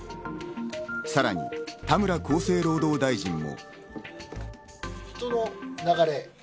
さらに田村厚生労働大臣も。